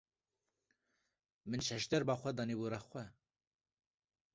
Min şejderba xwe danî bû rex xwe.